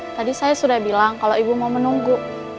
tadi saya sudah bilang kalau ibu mau menunggu